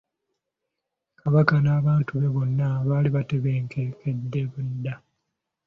Kabaka n'abantu be bonna baali batebenkedde dda.